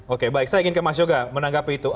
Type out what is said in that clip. oke baik saya ingin ke mas yoga menanggapi itu